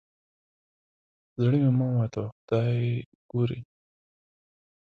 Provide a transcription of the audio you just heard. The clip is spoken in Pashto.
زړه مه ماتوه خدای ګوري.